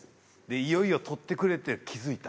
いよいよ取ってくれて気づいた。